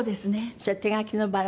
それ手描きのバラ。